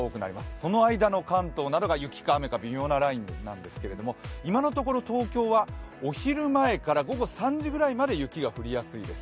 その間の関東などが雪か雨か微妙なラインなんですけれども、今のところ東京はお昼前から午後３時ぐらいまで雪が降りやすいです。